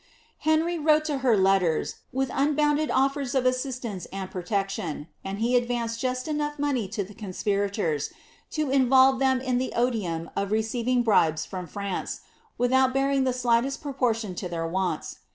Henry wrote to her leften, with nnbonnded oAva of aasiatance and protection ; and he adfBoeed just enough money to the conspiiatorB, to involve them in the odinfli of receiving bribes from France, without bearing the slightest praportion to their wants.